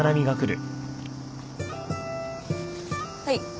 はい。